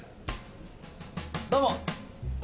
どうも。